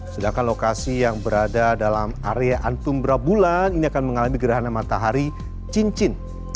sedangkan lokasi yang berada dalam area antum bra bulan ini akan mengalami gerhana matahari cincin